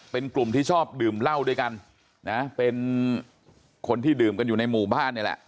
เป็นกลุ่มที่ชอบดื่มเหล้าด้วยกันนะเป็นคนที่ดื่มกันอยู่ในหมู่บ้านนี่แหละ